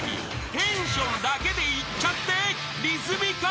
テンションだけでいっちゃって］